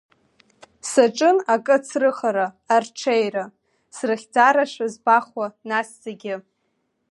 Саҿын акы ацрыхара, арҽеира, срыхьӡарашәа збахуа нас зегьы.